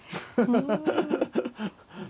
ハハハハ！